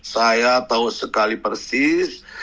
saya tahu sekali persis